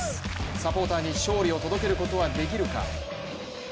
サポーターに勝利を届けることはできるか。